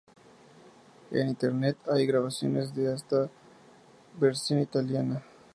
En Internet hay grabaciones de esta versión italiana.